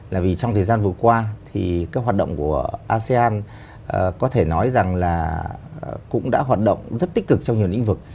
là vì trong thời gian vừa qua thì các hoạt động của asean có thể nói rằng là cũng đã hoạt động rất tích cực trong nhiều lĩnh vực